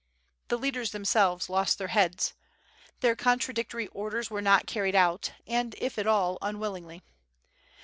The leaders themselves lost their heads. Their contradictory orders were not carried out, and if at all, unwillingly.